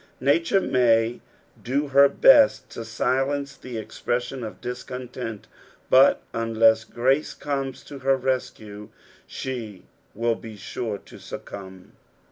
Nature may do her best to silence the expression of discontent, but unless grace cornea to her rescue, she will be sure to succumb.